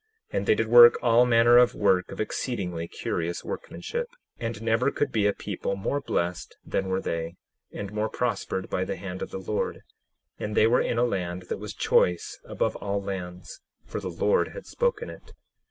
And they did work all manner of work of exceedingly curious workmanship. 10:28 And never could be a people more blessed than were they, and more prospered by the hand of the Lord. And they were in a land that was choice above all lands, for the Lord had spoken it.